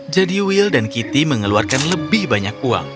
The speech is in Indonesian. jadi will dan kitty mengeluarkan lebih banyak uang